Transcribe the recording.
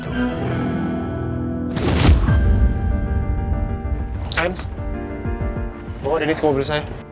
bawa denis ke mobil saya